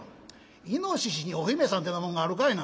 イノシシにお姫さんってなもんがあるかいな」。